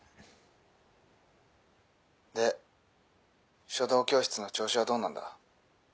で書道教室の調子はどうなんだ？